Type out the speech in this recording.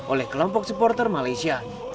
oleh kelompok supporter malaysia